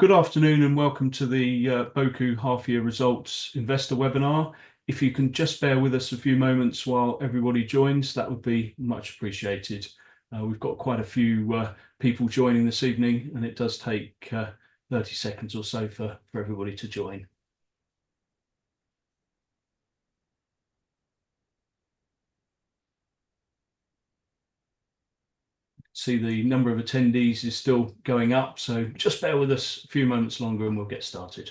Good afternoon, and welcome to the Boku half-year results investor webinar. If you can just bear with us a few moments while everybody joins, that would be much appreciated. We've got quite a few people joining this evening, and it does take thirty seconds or so for everybody to join. I see the number of attendees is still going up, so just bear with us a few moments longer, and we'll get started.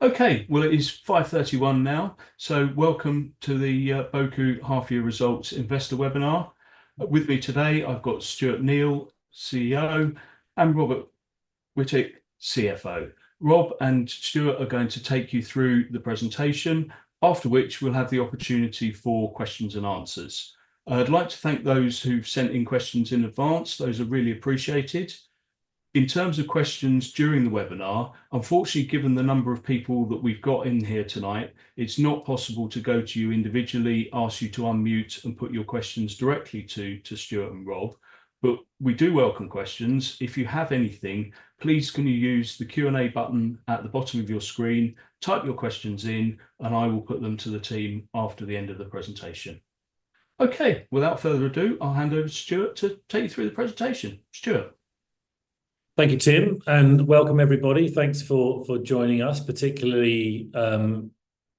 Okay, it is 5:31 now, so welcome to the Boku half-year results investor webinar. With me today, I've got Stuart Neal, CEO, and Robert Whittick, CFO. Rob and Stuart are going to take you through the presentation, after which we'll have the opportunity for questions and answers. I'd like to thank those who've sent in questions in advance. Those are really appreciated. In terms of questions during the webinar, unfortunately, given the number of people that we've got in here tonight, it's not possible to go to you individually, ask you to unmute, and put your questions directly to Stuart and Rob. But we do welcome questions. If you have anything, please, can you use the Q&A button at the bottom of your screen? Type your questions in, and I will put them to the team after the end of the presentation. Okay, without further ado, I'll hand over to Stuart to take you through the presentation. Stuart? Thank you, Tim, and welcome, everybody. Thanks for joining us, particularly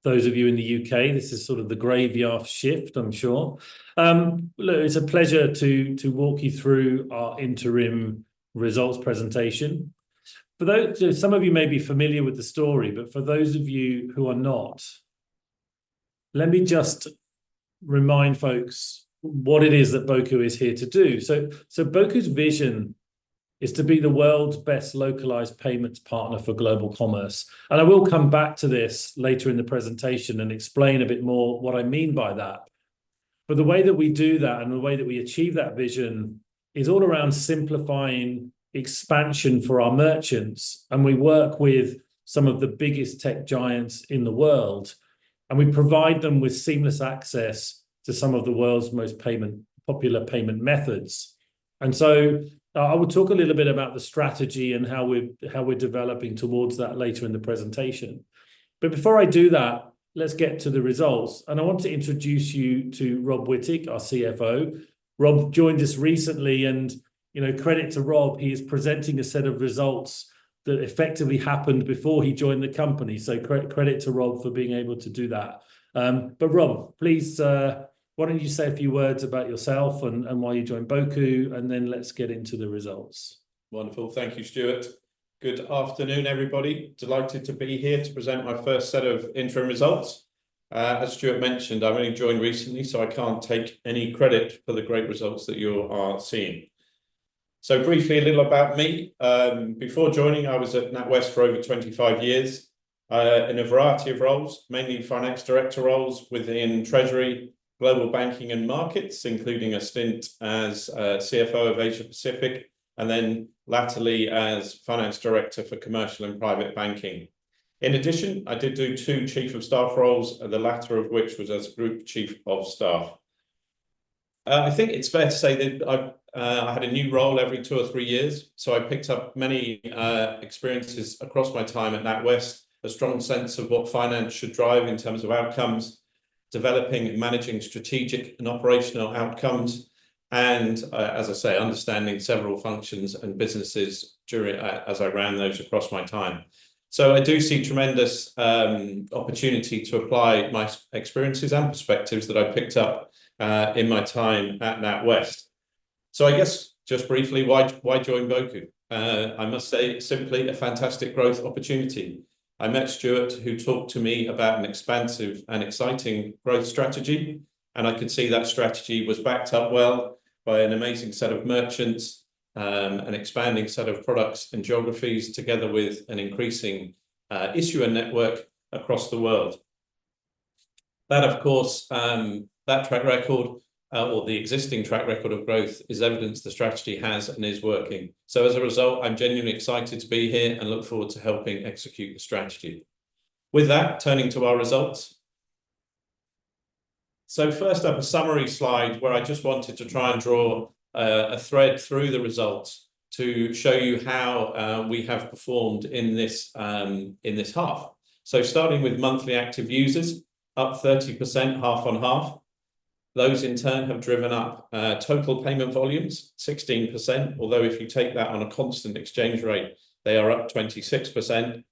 those of you in the U.K. This is sort of the graveyard shift, I'm sure. Look, it's a pleasure to walk you through our interim results presentation. For those... Some of you may be familiar with the story, but for those of you who are not, let me just remind folks what it is that Boku is here to do. So Boku's vision is to be the world's best localized payments partner for global commerce, and I will come back to this later in the presentation and explain a bit more what I mean by that. But the way that we do that and the way that we achieve that vision is all around simplifying expansion for our merchants, and we work with some of the biggest tech giants in the world, and we provide them with seamless access to some of the world's most popular payment methods. And so I will talk a little bit about the strategy and how we're developing towards that later in the presentation. But before I do that, let's get to the results, and I want to introduce you to Rob Whittick, our CFO. Rob joined us recently, and, you know, credit to Rob, he is presenting a set of results that effectively happened before he joined the company. So credit to Rob for being able to do that. But Rob, please, why don't you say a few words about yourself and why you joined Boku, and then let's get into the results. Wonderful. Thank you, Stuart. Good afternoon, everybody. Delighted to be here to present my first set of interim results. As Stuart mentioned, I've only joined recently, so I can't take any credit for the great results that you are seeing. So briefly, a little about me. Before joining, I was at NatWest for over 25 years, in a variety of roles, mainly finance director roles within treasury, Global Banking and Markets, including a stint as CFO of Asia Pacific, and then latterly as finance director for Commercial and Private Banking. In addition, I did do two chief of staff roles, and the latter of which was as group chief of staff. I think it's fair to say that I've, I had a new role every two or three years, so I picked up many, experiences across my time at NatWest, a strong sense of what finance should drive in terms of outcomes, developing and managing strategic and operational outcomes, and, as I say, understanding several functions and businesses during, as I ran those across my time. So I do see tremendous, opportunity to apply my experiences and perspectives that I picked up, in my time at NatWest. So I guess, just briefly, why join Boku? I must say simply a fantastic growth opportunity. I met Stuart, who talked to me about an expansive and exciting growth strategy, and I could see that strategy was backed up well by an amazing set of merchants, an expanding set of products and geographies, together with an increasing issuer network across the world. That, of course, that track record, or the existing track record of growth, is evidence the strategy has and is working. So as a result, I'm genuinely excited to be here and look forward to helping execute the strategy. With that, turning to our results. So first up, a summary slide, where I just wanted to try and draw a thread through the results to show you how we have performed in this half. So starting with monthly active users, up 30% half-on-half. Those in turn have driven up total payment volumes 16%. Although, if you take that on a constant exchange rate, they are up 26%.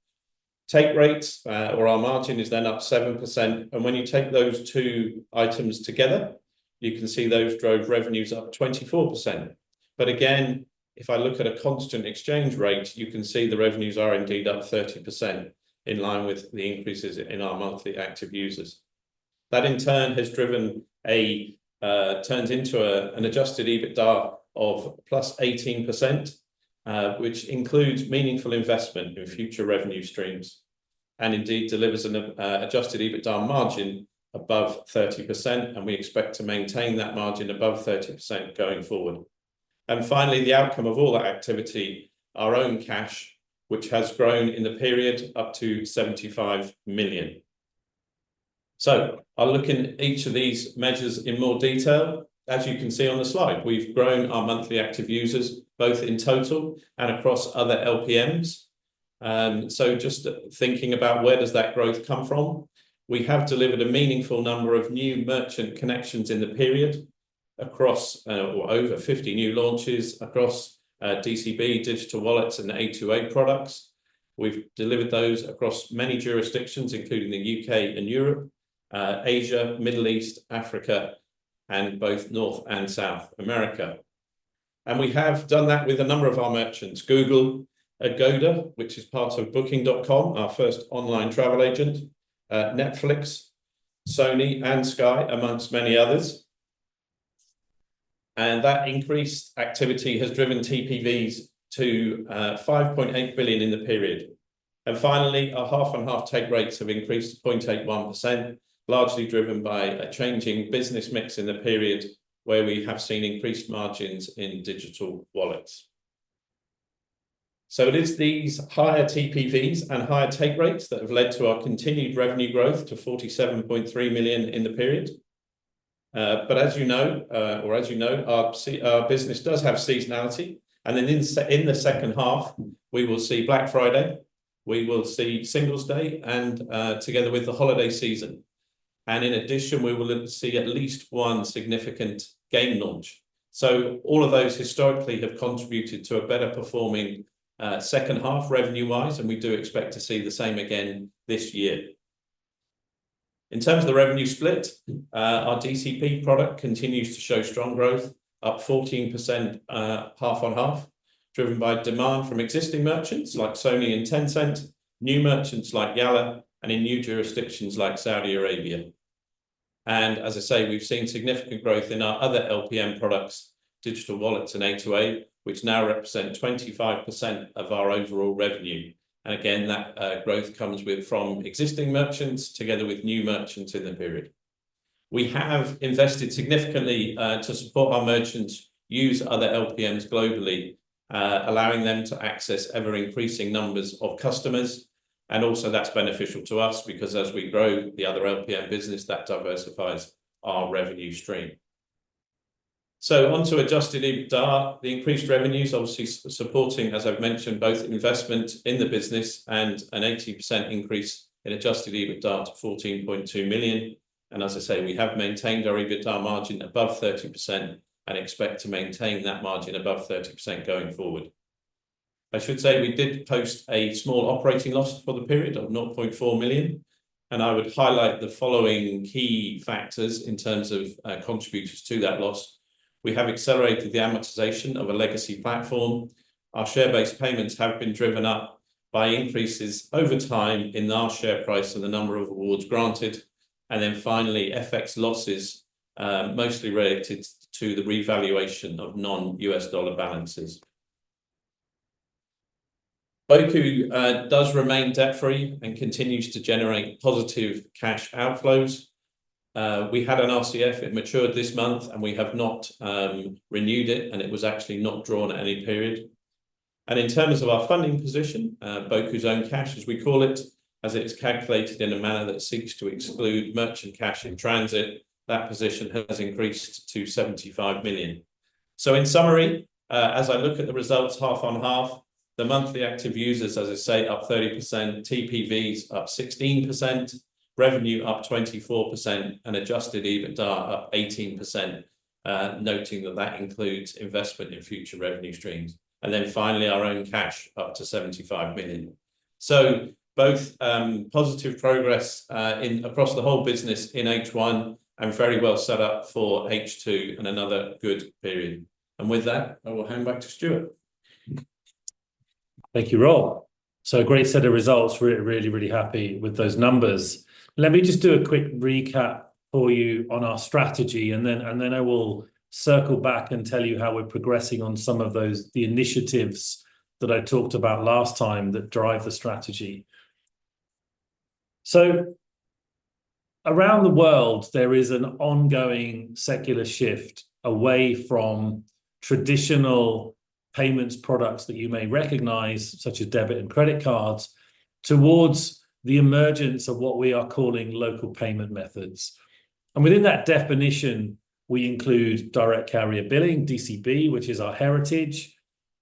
Take rates, or our margin, is then up 7%, and when you take those two items together, you can see those drove revenues up 24%. But again, if I look at a constant exchange rate, you can see the revenues are indeed up 30%, in line with the increases in our monthly active users. That, in turn, has turned into an adjusted EBITDA of +18%, which includes meaningful investment in future revenue streams and indeed delivers an adjusted EBITDA margin above 30%, and we expect to maintain that margin above 30% going forward. Finally, the outcome of all that activity, our own cash, which has grown in the period up to 75 million. I'll look in each of these measures in more detail. As you can see on the slide, we've grown our monthly active users, both in total and across other LPMs. So just thinking about where does that growth come from? We have delivered a meaningful number of new merchant connections in the period across or over 50 new launches across DCB, digital wallets, and A2A products. We've delivered those across many jurisdictions, including the U.K. and Europe, Asia, Middle East, Africa, and both North and South America. And we have done that with a number of our merchants: Google, Agoda, which is part of Booking.com, our first online travel agent, Netflix, Sony, and Sky, among many others. That increased activity has driven TPVs to 5.8 billion in the period. Finally, our half-on-half take rates have increased to 0.81%, largely driven by a changing business mix in the period, where we have seen increased margins in digital wallets. It is these higher TPVs and higher take rates that have led to our continued revenue growth to 47.3 million in the period. As you know, or as you know, our business does have seasonality, and then in the second half, we will see Black Friday, we will see Singles' Day, and together with the holiday season. In addition, we will see at least one significant game launch. All of those historically have contributed to a better performing second half, revenue-wise, and we do expect to see the same again this year. In terms of the revenue split, our DCB product continues to show strong growth, up 14%, half-on-half, driven by demand from existing merchants like Sony and Tencent, new merchants like Yalla, and in new jurisdictions like Saudi Arabia. As I say, we have seen significant growth in our other LPM products, digital wallets, and A2A, which now represent 25% of our overall revenue. Again, that growth comes from existing merchants, together with new merchants in the period. We have invested significantly to support our merchants use other LPMs globally, allowing them to access ever-increasing numbers of customers, and also that's beneficial to us because as we grow the other LPM business, that diversifies our revenue stream. So on to Adjusted EBITDA, the increased revenues, obviously supporting, as I've mentioned, both investment in the business and an 18% increase in Adjusted EBITDA to 14.2 million. And as I say, we have maintained our EBITDA margin above 30% and expect to maintain that margin above 30% going forward. I should say, we did post a small operating loss for the period of 0.4 million, and I would highlight the following key factors in terms of contributors to that loss. We have accelerated the amortization of a legacy platform. Our share-based payments have been driven up by increases over time in our share price and the number of awards granted. Then finally, FX losses, mostly related to the revaluation of non-U.S. dollar balances. Boku does remain debt-free and continues to generate positive cash outflows. We had an RCF. It matured this month, and we have not renewed it, and it was actually not drawn at any period. In terms of our funding position, Boku's own cash, as we call it, as it is calculated in a manner that seeks to exclude merchant cash in transit, that position has increased to 75 million. In summary, as I look at the results, half-on-half, the monthly active users, as I say, are up 30%, TPVs up 16%, revenue up 24%, and adjusted EBITDA up 18%, noting that that includes investment in future revenue streams. Then finally, our own cash up to 75 million. Both positive progress in across the whole business in H1, and very well set up for H2 and another good period. With that, I will hand back to Stuart. Thank you, Rob, so a great set of results. Really, really, really happy with those numbers. Let me just do a quick recap for you on our strategy, and then, and then I will circle back and tell you how we're progressing on some of those, the initiatives that I talked about last time that drive the strategy, so around the world, there is an ongoing secular shift away from traditional payments products that you may recognize, such as debit and credit cards, towards the emergence of what we are calling local payment methods, and within that definition, we include direct carrier billing, DCB, which is our heritage,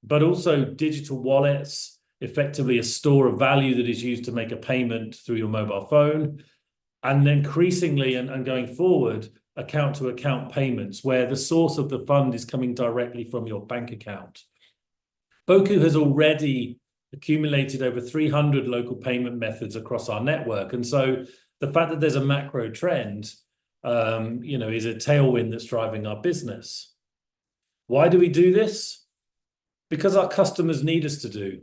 but also digital wallets, effectively a store of value that is used to make a payment through your mobile phone, and then increasingly and, and going forward, account-to-account payments, where the source of the fund is coming directly from your bank account. Boku has already accumulated over 300 local payment methods across our network, and so the fact that there's a macro trend, you know, is a tailwind that's driving our business. Why do we do this? Because our customers need us to do.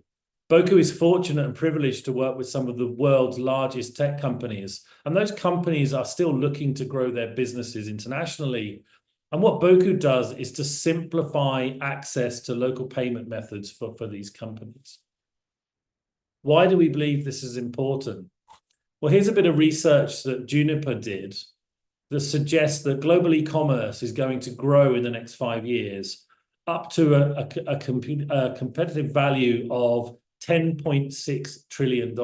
Boku is fortunate and privileged to work with some of the world's largest tech companies, and those companies are still looking to grow their businesses internationally. And what Boku does is to simplify access to local payment methods for these companies. Why do we believe this is important? Here's a bit of research that Juniper did that suggests that global e-commerce is going to grow in the next 5 years up to a competitive value of $10.6 trillion.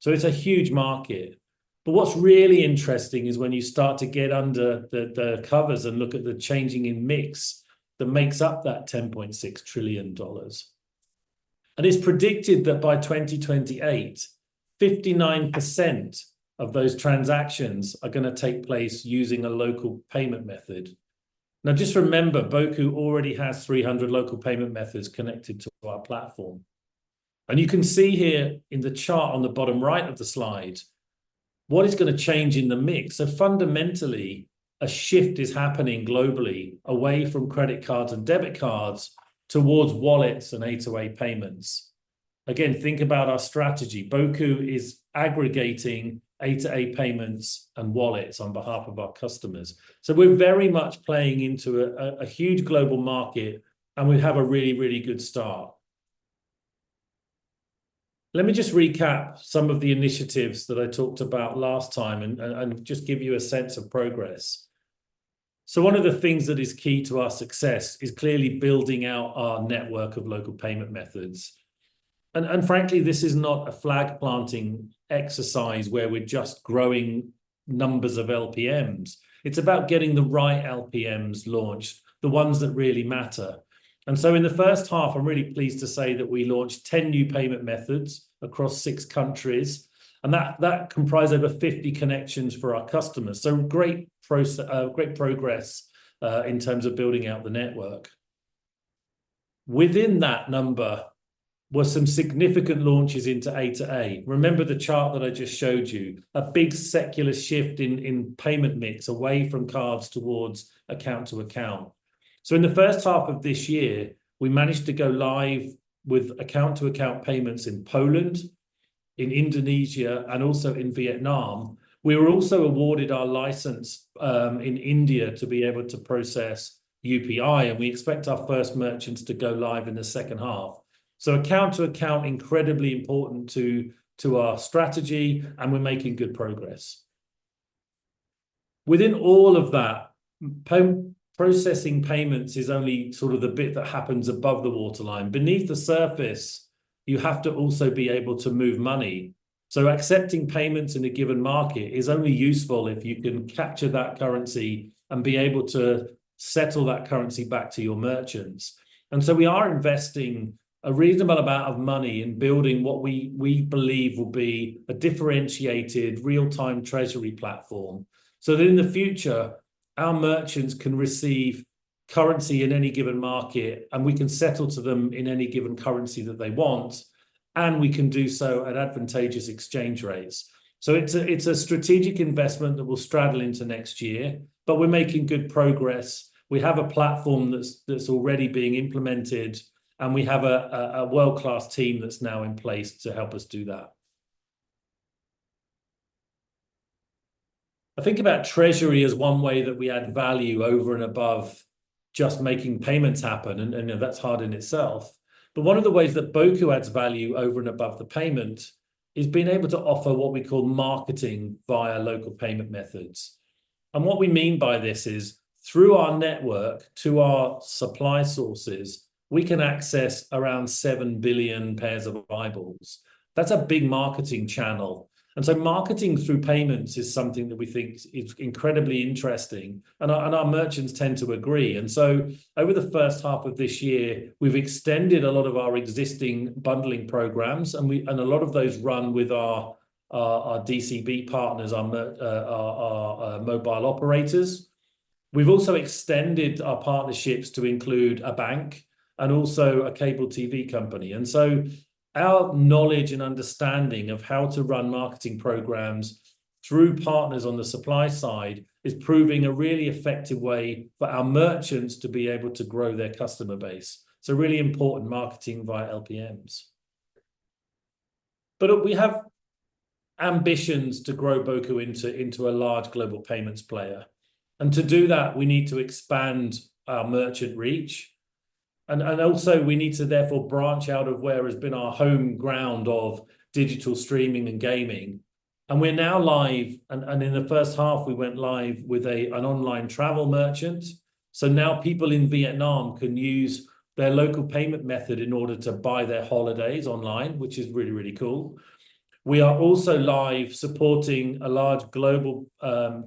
So it's a huge market. But what's really interesting is when you start to get under the covers and look at the change in mix that makes up that $10.6 trillion. And it's predicted that by 2028, 59% of those transactions are gonna take place using a local payment method. Now, just remember, Boku already has 300 local payment methods connected to our platform. And you can see here in the chart on the bottom right of the slide, what is gonna change in the mix? So fundamentally, a shift is happening globally, away from credit cards and debit cards, towards wallets and A2A payments. Again, think about our strategy. Boku is aggregating A2A payments and wallets on behalf of our customers. So we're very much playing into a huge global market, and we have a really, really good start. Let me just recap some of the initiatives that I talked about last time and just give you a sense of progress. One of the things that is key to our success is clearly building out our network of local payment methods. Frankly, this is not a flag-planting exercise where we're just growing numbers of LPMs. It's about getting the right LPMs launched, the ones that really matter. In the first half, I'm really pleased to say that we launched ten new payment methods across six countries, and that comprised over 50 connections for our customers. Great progress in terms of building out the network. Within that number was some significant launches into A2A. Remember the chart that I just showed you, a big secular shift in payment mix, away from cards towards account to account. So in the first half of this year, we managed to go live with account-to-account payments in Poland, in Indonesia, and also in Vietnam. We were also awarded our license in India to be able to process UPI, and we expect our first merchants to go live in the second half. So account to account, incredibly important to our strategy, and we're making good progress. Within all of that, processing payments is only sort of the bit that happens above the waterline. Beneath the surface, you have to also be able to move money. So accepting payments in a given market is only useful if you can capture that currency and be able to settle that currency back to your merchants. And so we are investing a reasonable amount of money in building what we believe will be a differentiated real-time treasury platform, so that in the future, our merchants can receive currency in any given market, and we can settle to them in any given currency that they want, and we can do so at advantageous exchange rates. So it's a strategic investment that will straddle into next year, but we're making good progress. We have a platform that's already being implemented, and we have a world-class team that's now in place to help us do that. I think about treasury as one way that we add value over and above just making payments happen, and that's hard in itself. But one of the ways that Boku adds value over and above the payment is being able to offer what we call marketing via local payment methods. And what we mean by this is, through our network to our supply sources, we can access around seven billion pairs of eyeballs. That's a big marketing channel, and so marketing through payments is something that we think is incredibly interesting, and our merchants tend to agree. And so, over the first half of this year, we've extended a lot of our existing bundling programs. And a lot of those run with our DCB partners, our mobile operators. We've also extended our partnerships to include a bank and also a cable TV company. And so our knowledge and understanding of how to run marketing programs through partners on the supply side is proving a really effective way for our merchants to be able to grow their customer base. So really important, marketing via LPMs. But look, we have ambitions to grow Boku into a large global payments player. And to do that, we need to expand our merchant reach, and also, we need to therefore branch out of where has been our home ground of digital streaming and gaming. And we're now live, and in the first half, we went live with an online travel merchant. So now people in Vietnam can use their local payment method in order to buy their holidays online, which is really, really cool. We are also live supporting a large global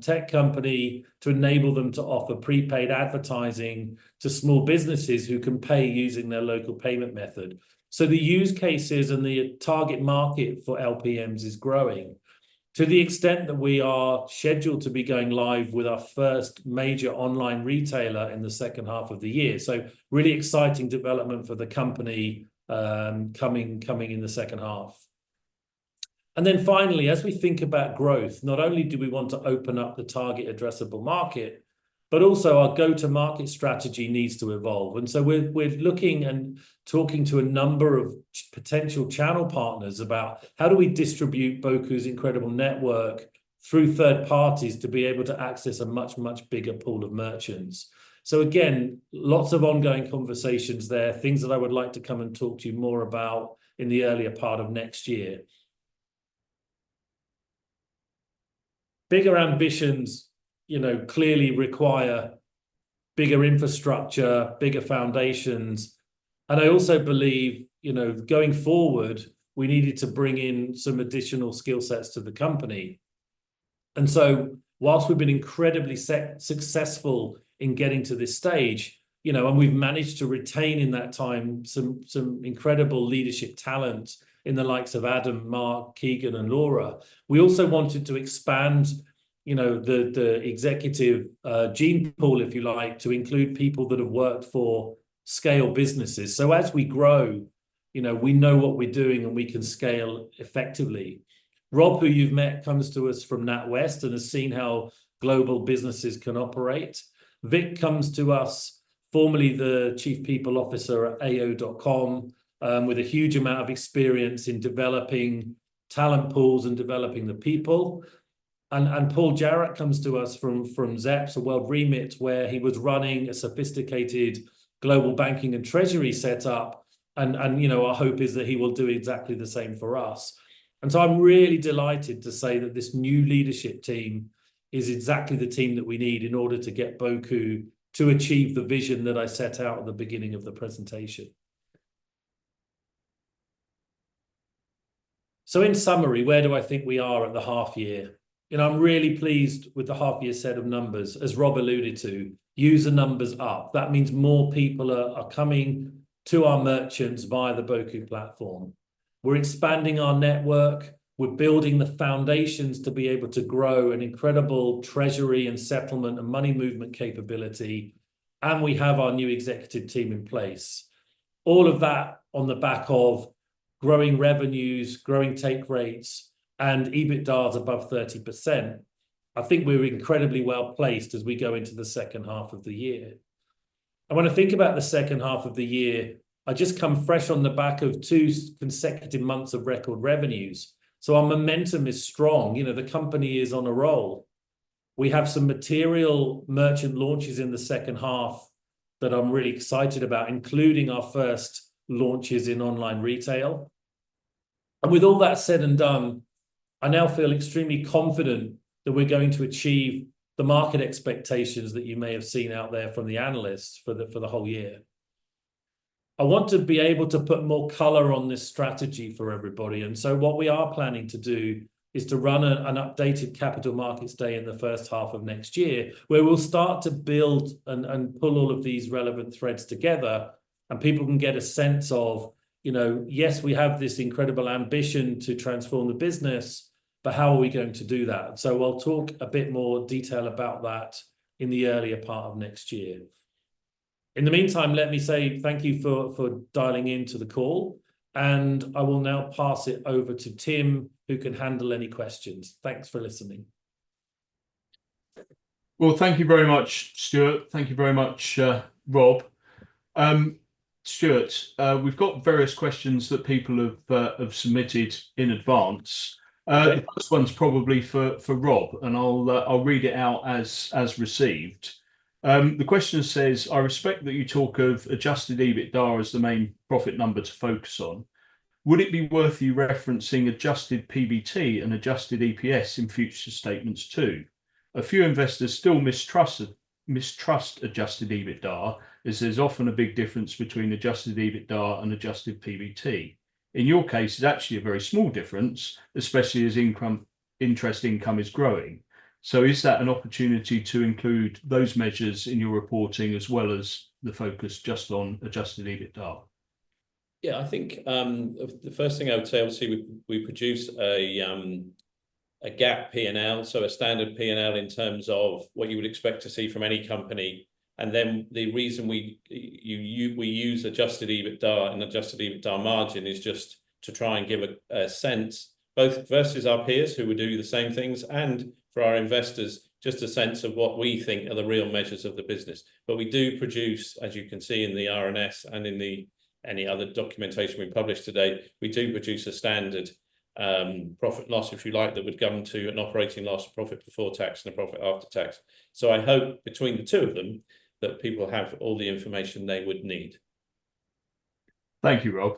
tech company to enable them to offer prepaid advertising to small businesses who can pay using their local payment method. So the use cases and the target market for LPMs is growing, to the extent that we are scheduled to be going live with our first major online retailer in the second half of the year. So really exciting development for the company, coming in the second half. And then finally, as we think about growth, not only do we want to open up the target addressable market, but also our go-to-market strategy needs to evolve. And so we're looking and talking to a number of potential channel partners about how do we distribute Boku's incredible network through third parties to be able to access a much, much bigger pool of merchants? So again, lots of ongoing conversations there, things that I would like to come and talk to you more about in the earlier part of next year. Bigger ambitions, you know, clearly require bigger infrastructure, bigger foundations, and I also believe, you know, going forward, we needed to bring in some additional skill sets to the company. And so while we've been incredibly successful in getting to this stage, you know, and we've managed to retain in that time some incredible leadership talent in the likes of Adam, Mark, Keegan, and Laura, we also wanted to expand, you know, the executive gene pool, if you like, to include people that have worked for scale businesses. So as we grow, you know, we know what we're doing, and we can scale effectively. Rob, who you've met, comes to us from NatWest and has seen how global businesses can operate. Vic comes to us, formerly the Chief People Officer at AO.com, with a huge amount of experience in developing talent pools and developing the people. And Paul Jarrett comes to us from Zepz, so WorldRemit, where he was running a sophisticated global banking and treasury set-up, and you know, our hope is that he will do exactly the same for us. And so I'm really delighted to say that this new leadership team is exactly the team that we need in order to get Boku to achieve the vision that I set out at the beginning of the presentation. So in summary, where do I think we are at the half year? You know, I'm really pleased with the half year set of numbers. As Rob alluded to, user numbers are up. That means more people are coming to our merchants via the Boku platform. We're expanding our network. We're building the foundations to be able to grow an incredible treasury, and settlement, and money movement capability, and we have our new executive team in place. All of that on the back of growing revenues, growing take rates, and EBITDA is above 30%. I think we're incredibly well-placed as we go into the second half of the year. And when I think about the second half of the year, I just come fresh on the back of two consecutive months of record revenues, so our momentum is strong. You know, the company is on a roll. We have some material merchant launches in the second half that I'm really excited about, including our first launches in online retail. With all that said and done, I now feel extremely confident that we're going to achieve the market expectations that you may have seen out there from the analysts for the whole year. I want to be able to put more color on this strategy for everybody, and so what we are planning to do is to run an updated capital markets day in the first half of next year, where we'll start to build and pull all of these relevant threads together, and people can get a sense of, you know, yes, we have this incredible ambition to transform the business, but how are we going to do that? So I'll talk a bit more detail about that in the earlier part of next year. In the meantime, let me say thank you for dialing in to the call, and I will now pass it over to Tim, who can handle any questions. Thanks for listening. Thank you very much, Stuart. Thank you very much, Rob. Stuart, we've got various questions that people have submitted in advance. Okay. The first one's probably for Rob, and I'll read it out as received. The question says: "I respect that you talk of adjusted EBITDA as the main profit number to focus on. Would it be worth you referencing adjusted PBT and adjusted EPS in future statements, too? A few investors still mistrust adjusted EBITDA, as there's often a big difference between adjusted EBITDA and adjusted PBT. In your case, it's actually a very small difference, especially as income... interest income is growing. So is that an opportunity to include those measures in your reporting as well as the focus just on adjusted EBITDA? Yeah, I think, the first thing I would say, obviously, we produce a GAAP P&L, so a standard P&L in terms of what you would expect to see from any company. And then the reason we use adjusted EBITDA and adjusted EBITDA margin is just to try and give a sense, both versus our peers who would do the same things and for our investors, just a sense of what we think are the real measures of the business. But we do produce, as you can see in the RNS and in the any other documentation we publish today, we do produce a standard profit and loss, if you like, that would come to an operating loss or profit before tax and a profit after tax. So I hope between the two of them, that people have all the information they would need. Thank you, Rob.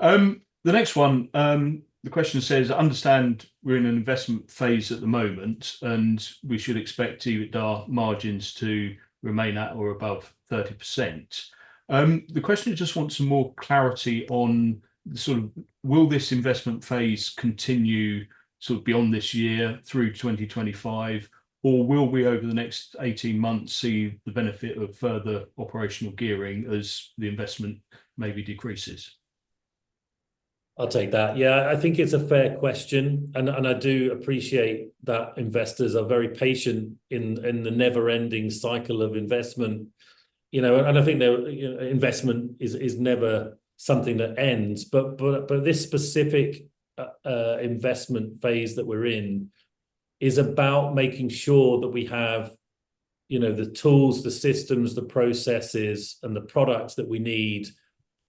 The next one, the question says, "I understand we're in an investment phase at the moment, and we should expect EBITDA margins to remain at or above 30%." The questioner just wants some more clarity on sort of will this investment phase continue sort of beyond this year through 2025, or will we, over the next 18 months, see the benefit of further operational gearing as the investment maybe decreases? I'll take that. Yeah, I think it's a fair question, and I do appreciate that investors are very patient in the never-ending cycle of investment. You know, and I think that investment is never something that ends. But this specific investment phase that we're in is about making sure that we have the tools, the systems, the processes, and the products that we need,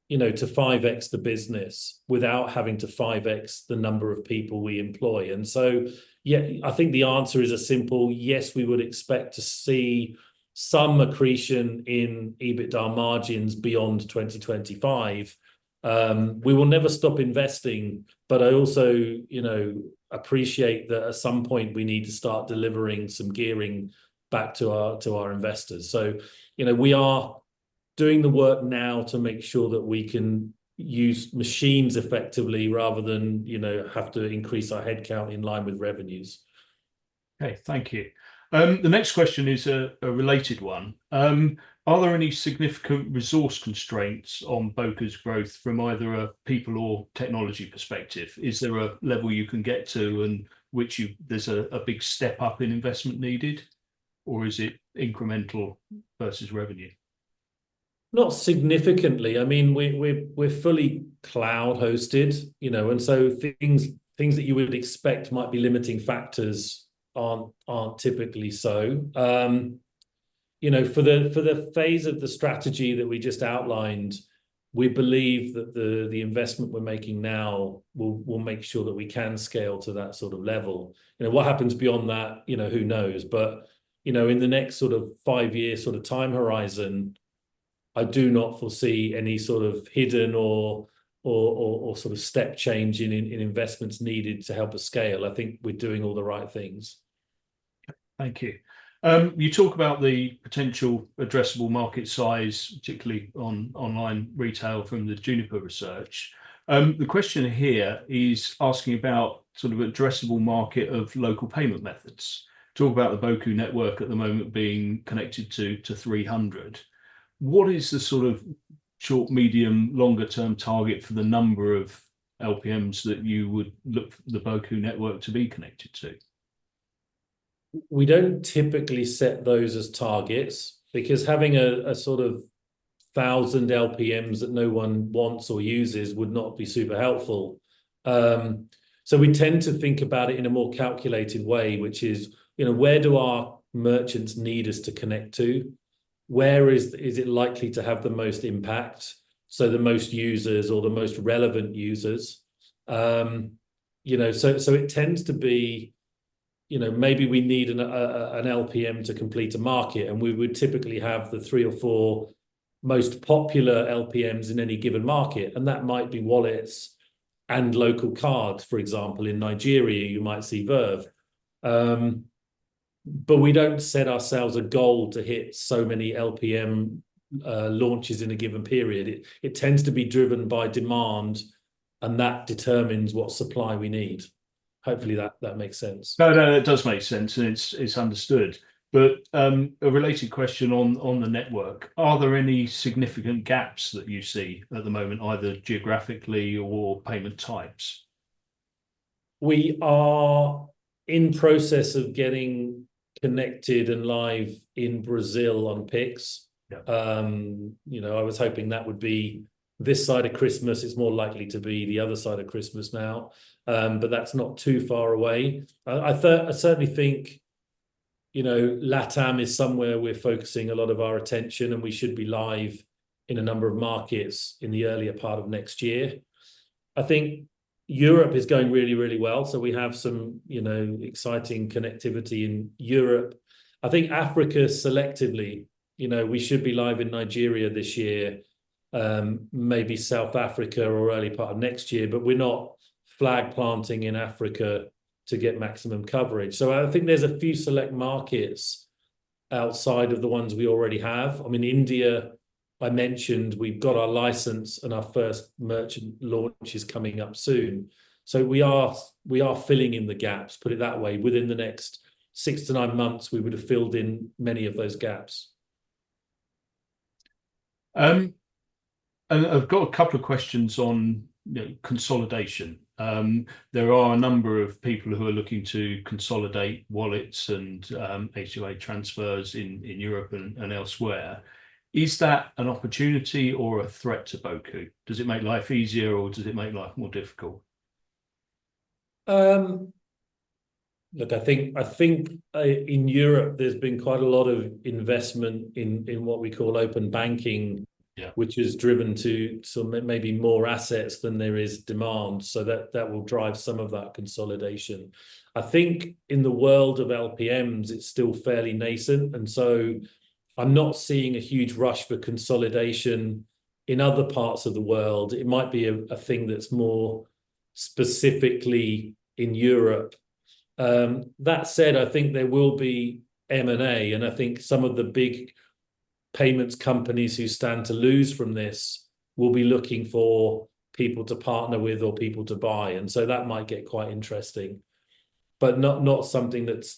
you know, to 5x the business without having to 5x the number of people we employ. And so, yeah, I think the answer is a simple yes, we would expect to see some accretion in EBITDA margins beyond 2025. We will never stop investing, but I also appreciate that at some point we need to start delivering some gearing back to our investors. So, you know, we are doing the work now to make sure that we can use machines effectively rather than, you know, have to increase our headcount in line with revenues. Okay, thank you. The next question is a related one. Are there any significant resource constraints on Boku's growth from either a people or technology perspective? Is there a level you can get to where there's a big step up in investment needed, or is it incremental versus revenue? Not significantly. I mean, we're fully cloud-hosted, you know, and so things that you would expect might be limiting factors aren't typically so. You know, for the phase of the strategy that we just outlined, we believe that the investment we're making now will make sure that we can scale to that sort of level. You know, what happens beyond that, you know, who knows? But, you know, in the next sort of five-year sort of time horizon, I do not foresee any sort of hidden or sort of step change in investments needed to help us scale. I think we're doing all the right things. Thank you. You talk about the potential addressable market size, particularly on online retail from the Juniper Research. The question here is asking about sort of addressable market of local payment methods. Talk about the Boku network at the moment being connected to 300. What is the sort of short, medium, longer-term target for the number of LPMs that you would like the Boku network to be connected to? We don't typically set those as targets because having a sort of thousand LPMs that no one wants or uses would not be super helpful, so we tend to think about it in a more calculated way, which is, you know, where do our merchants need us to connect to? Where is it likely to have the most impact, so the most users or the most relevant users? You know, so it tends to be, you know, maybe we need an LPM to complete a market, and we would typically have the three or four most popular LPMs in any given market, and that might be wallets and local cards. For example, in Nigeria, you might see Verve, but we don't set ourselves a goal to hit so many LPM launches in a given period. It tends to be driven by demand, and that determines what supply we need. Hopefully, that makes sense. No, no, it does make sense, and it's understood. But, a related question on the network, are there any significant gaps that you see at the moment, either geographically or payment types? We are in process of getting connected and live in Brazil on Pix. Yeah. You know, I was hoping that would be this side of Christmas. It's more likely to be the other side of Christmas now, but that's not too far away. I certainly think, you know, LatAm is somewhere we're focusing a lot of our attention, and we should be live in a number of markets in the earlier part of next year. I think Europe is going really, really well, so we have some, you know, exciting connectivity in Europe. I think Africa selectively, you know, we should be live in Nigeria this year, maybe South Africa or early part of next year, but we're not flag planting in Africa to get maximum coverage, so I think there's a few select markets outside of the ones we already have. I mean, India, I mentioned we've got our license, and our first merchant launch is coming up soon. So we are filling in the gaps, put it that way. Within the next six to nine months, we would have filled in many of those gaps. And I've got a couple of questions on, you know, consolidation. There are a number of people who are looking to consolidate wallets and A2A transfers in Europe and elsewhere. Is that an opportunity or a threat to Boku? Does it make life easier, or does it make life more difficult? Look, I think in Europe, there's been quite a lot of investment in what we call open banking which has driven to sort of maybe more assets than there is demand, so that will drive some of that consolidation. I think in the world of LPMs, it's still fairly nascent, and so I'm not seeing a huge rush for consolidation in other parts of the world. It might be a thing that's more specifically in Europe. That said, I think there will be M&A, and I think some of the big payments companies who stand to lose from this will be looking for people to partner with or people to buy, and so that might get quite interesting, but not something that's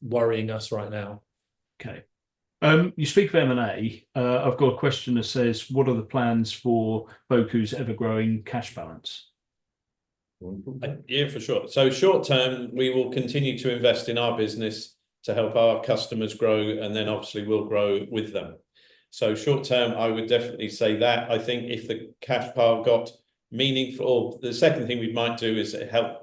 worrying us right now. Okay. You speak of M&A. I've got a question that says: What are the plans for Boku's ever-growing cash balance? Yeah, for sure. So short term, we will continue to invest in our business to help our customers grow, and then obviously we'll grow with them. So short term, I would definitely say that. I think if the cash pile got meaningful, the second thing we might do is help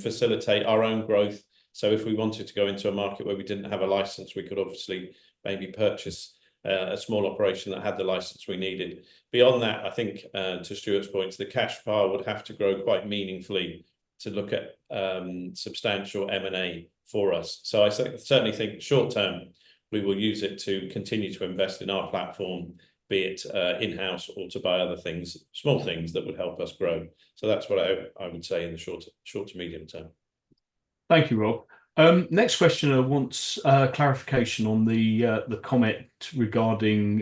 facilitate our own growth. So if we wanted to go into a market where we didn't have a license, we could obviously maybe purchase a small operation that had the license we needed. Beyond that, I think to Stuart's point, the cash pile would have to grow quite meaningfully to look at substantial M&A for us. So I certainly think short term, we will use it to continue to invest in our platform, be it in-house or to buy other things, small things that would help us grow. So that's what I would say in the short to medium term. Thank you, Rob. Next questioner wants clarification on the comment regarding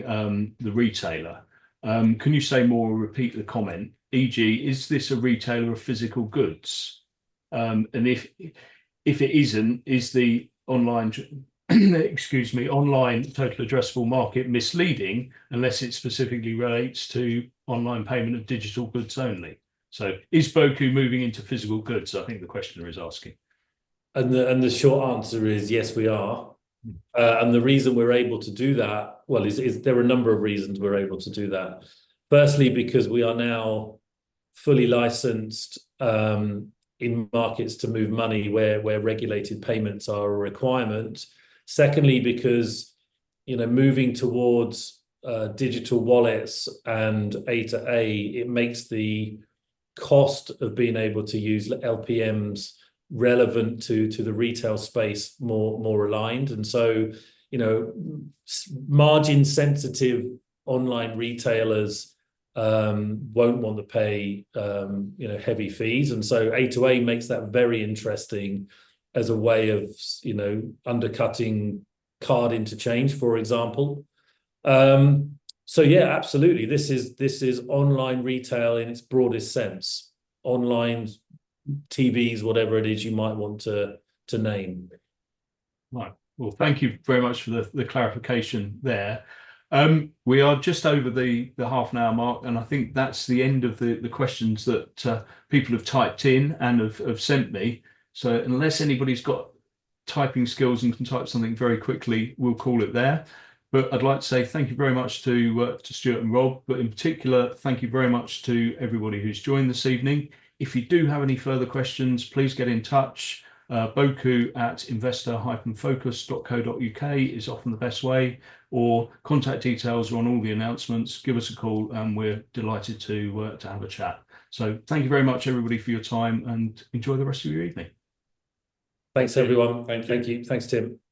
the retailer. Can you say more or repeat the comment? E.g., is this a retailer of physical goods? And if it isn't, is the online, excuse me, online total addressable market misleading unless it specifically relates to online payment of digital goods only? So is Boku moving into physical goods, I think the questioner is asking. The short answer is, yes, we are. The reason we're able to do that, well, is there are a number of reasons we're able to do that. Firstly, because we are now fully licensed in markets to move money where regulated payments are a requirement. Secondly, because, you know, moving towards digital wallets and A2A, it makes the cost of being able to use LPMs relevant to the retail space more aligned. And so, you know, margin-sensitive online retailers won't want to pay, you know, heavy fees, and so A2A makes that very interesting as a way of you know, undercutting card interchange, for example. So yeah, absolutely. This is online retail in its broadest sense. Online TVs, whatever it is you might want to name. Right. Well, thank you very much for the clarification there. We are just over the half-an-hour mark, and I think that's the end of the questions that people have typed in and have sent me. So unless anybody's got typing skills and can type something very quickly, we'll call it there. But I'd like to say thank you very much to Stuart and Rob, but in particular, thank you very much to everybody who's joined this evening. If you do have any further questions, please get in touch. boku@investor-focus.co.uk is often the best way, or contact details are on all the announcements. Give us a call, and we're delighted to have a chat. So thank you very much, everybody, for your time, and enjoy the rest of your evening. Thanks, everyone. Thank you. Thank you. Thanks, Tim.